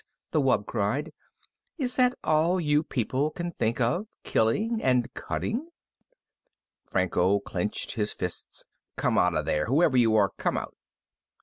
the wub cried. "Is that all you people can think of, killing and cutting?" Franco clenched his fists. "Come out of there! Whoever you are, come out!"